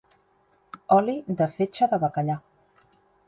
Oli de fetge de bacallà.